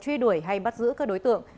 truy đuổi hay bắt giữ các đối tượng